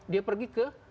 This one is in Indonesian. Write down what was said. dia pergi ke